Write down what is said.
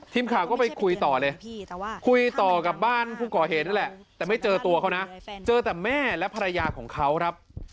ทีมข่าวก็ไปคุยต่อเลยคุยต่อกับบ้านผู้ก่อเหตุนั่นแหละแต่ไม่เจอตัวเขานะเจอแต่แม่และภรรยาของเขาครับ